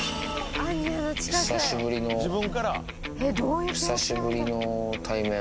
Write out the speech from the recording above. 久しぶりの久しぶりの対面。